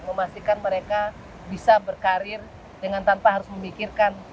memastikan mereka bisa berkarir dengan tanpa harus memikirkan